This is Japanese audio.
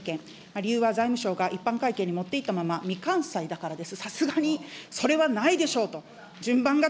理由は財務省が、一般会計に持っていったまま未完済だからです。